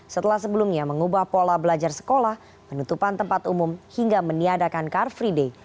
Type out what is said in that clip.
setelah sebelumnya mengubah pola belajar sekolah penutupan tempat umum hingga meniadakan car free day